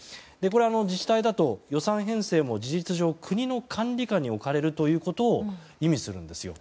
自治体だと、予算編成も事実上、国の管理下に置かれるということを意味するんですよ。